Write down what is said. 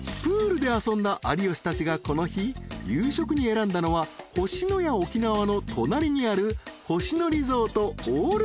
［プールで遊んだ有吉たちがこの日夕食に選んだのは星のや沖縄の隣にある星野リゾートオールーグリル］